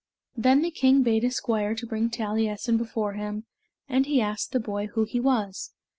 Then the king bade a squire to bring Taliessin before him, and he asked the boy who he was.